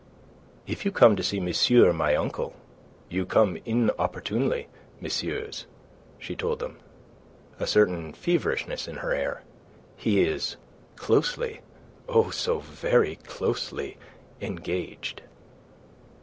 "If you come to see monsieur my uncle, you come inopportunely, messieurs," she told them, a certain feverishness in her air. "He is closely oh, so very closely engaged."